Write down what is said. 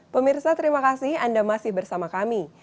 pemirsa terima kasih anda masih bersama kami